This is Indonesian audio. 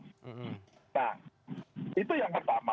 nah itu yang pertama